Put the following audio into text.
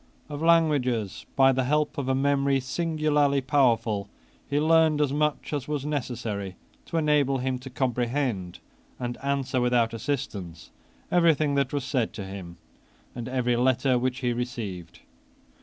Of languages, by the help of a memory singularly powerful, he learned as much as was necessary to enable him to comprehend and answer without assistance everything that was said to him, and every letter which he received.